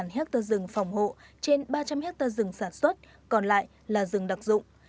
ba ha rừng phòng hộ trên ba trăm linh ha rừng sản xuất còn lại là rừng đặc dụng